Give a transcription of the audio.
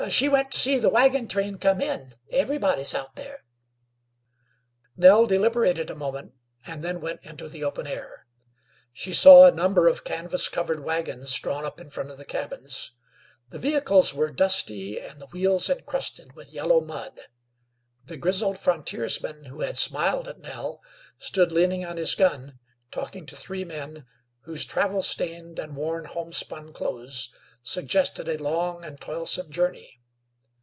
"She went to see the wagon train come in. Everybody's out there." Nell deliberated a moment and then went into the open air. She saw a number of canvas covered wagons drawn up in front of the cabins; the vehicles were dusty and the wheels encrusted with yellow mud. The grizzled frontiersman who had smiled at Nell stood leaning on his gun, talking to three men, whose travel stained and worn homespun clothes suggested a long and toilsome journey.